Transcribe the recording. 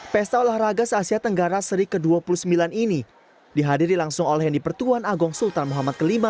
pesta olahraga se asia tenggara seri ke dua puluh sembilan ini dihadiri langsung oleh hendi pertuan agung sultan muhammad v